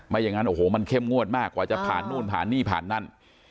อย่างนั้นโอ้โหมันเข้มงวดมากกว่าจะผ่านนู่นผ่านนี่ผ่านนั่น